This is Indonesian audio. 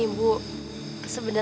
kita harus pulang ke jakarta besok